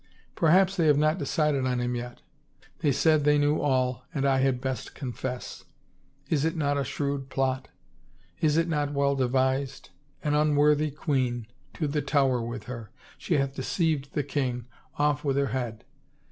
Perhaps they have not decided on him yet. They said they knew all and I had best confess. ... Is it not a shrewd plot? Is it not well devised? An unworthy queen — to the Tower with her! She hath deceived the king — off with her head!